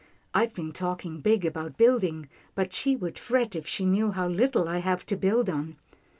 " I've been talking big about building, but she would fret if she knew how little I have to build on."